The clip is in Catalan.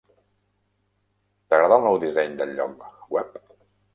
T'agrada el nou disseny del lloc web?